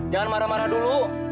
jangan marah marah dulu